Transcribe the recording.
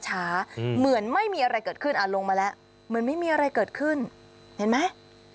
เหมือนไม่มีอะไรเกิดขึ้นลงมาแล้วเหมือนไม่มีอะไรเกิดขึ้นเห็นไหม